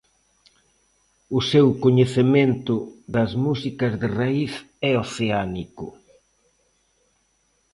O seu coñecemento das músicas de raíz é oceánico.